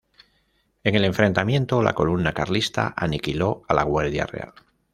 En el enfrentamiento la columna carlista aniquiló a la Guardia Real.